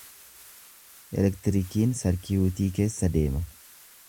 Elektirikiin sarkiyuutii keessa deema.